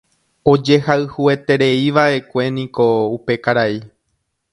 Ojehayhuetereívaʼekueniko upe karai.